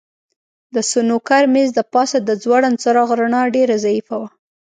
د سنوکر مېز د پاسه د ځوړند څراغ رڼا ډېره ضعیفه وه.